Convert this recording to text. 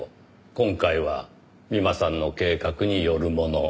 今回は美馬さんの計画によるもの。